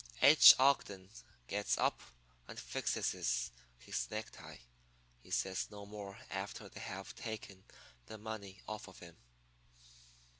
"H. Ogden gets up and fixes his necktie. He says no more after they have taken the money off of him.